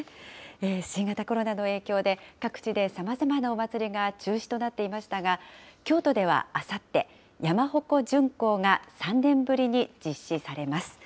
新型コロナの影響で、各地でさまざまなお祭りが中止となっていましたが、京都ではあさって、山鉾巡行が３年ぶりに実施されます。